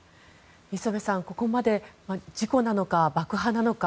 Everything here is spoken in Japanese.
磯部さん、ここまで事故なのか爆破なのか